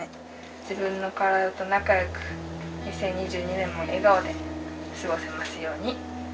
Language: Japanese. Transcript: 自分の体と仲よく２０２２年も笑顔で過ごせますように。